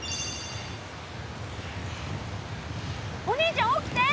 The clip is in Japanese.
お兄ちゃん起きて！